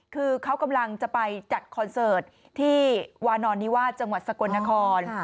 คือเขากำลังจะไปจัดคอนเสิร์ตที่วานอนนิวาสจังหวัดสกลนคร